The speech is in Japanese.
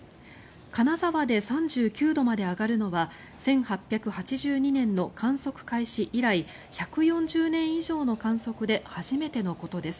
金沢で３９度まで上がるのは１８８２年の観測開始以来１４０年以上の観測で初めてのことです。